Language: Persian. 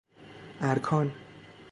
اَرکان